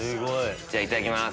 いただきます。